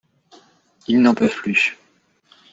Ils n’en peuvent plus.